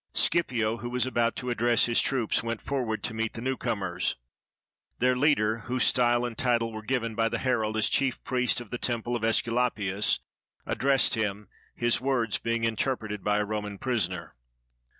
Scipio, who was about to address his troops, went forward to meet the newcomers. Their leader, whose style and title were given by the herald as chief priest of the Temple of ^s culapius, addressed him, his words being interpreted by a Roman prisoner.